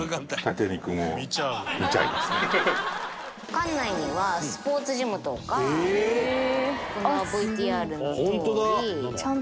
艦内にはスポーツジムとかこのＶＴＲのとおり。